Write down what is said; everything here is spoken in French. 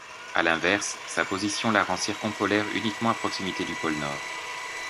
À l'inverse, sa position la rend circumpolaire uniquement à proximité du pôle nord.